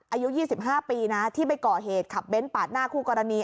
อายุ๒๕ปีนะที่ไปก่อเหตุขับเบ้นปาดหน้าคู่กรณี